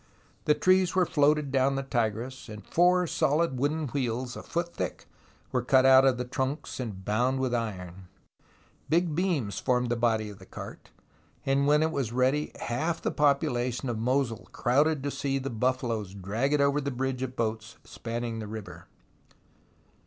The trees were floated down the Tigris, and four solid wooden wheels a foot thick were cut out of the trunks and bound with iron. Big beams formed the body of the cart, and when it was ready half the population of Mosul crowded to see the buffaloes drag it over the bridge of boats spanning the river.